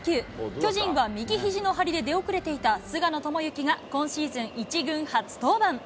巨人は、右ひじの張りで出遅れていた菅野智之が、今シーズン１軍初登板。